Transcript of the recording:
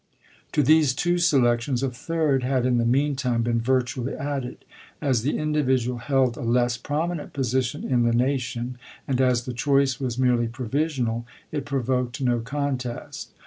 To these two selections a third had in the mean time been virtually added. As the individual held a less prominent position in the nation, and as the choice was merely provisional, it provoked no con 18G0. test.